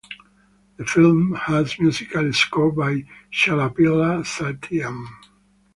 The film has musical score by Chellapilla Satyam.